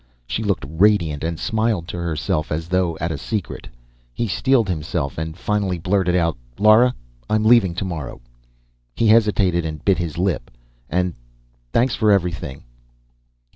She looked radiant, and smiled to herself, as though at a secret. He steeled himself and finally blurted out, "Lara, I'm leaving tomorrow." He hesitated and bit his lip. "And ... thanks for everything."